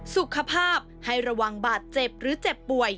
สุขภาพให้ระวังบาดเจ็บหรือเจ็บป่วย